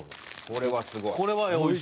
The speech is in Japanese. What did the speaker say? これはすごい。